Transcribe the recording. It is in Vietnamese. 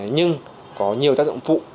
nhưng có nhiều tác dụng phụ